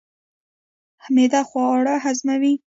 معده خواړه هضموي.